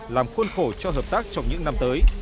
làm khuôn khổ cho hợp tác trong những năm tới